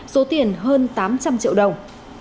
số tiền hơn tám trăm linh triệu đồng